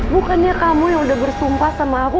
bukannya kamu yang udah bersumpah sama aku